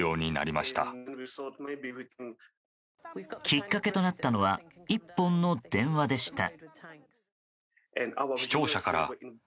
きっかけとなったのは１本の電話でした。